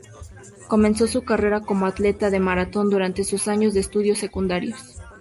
Comenzó su carrera como atleta de maratón durante sus años de estudios secundarios.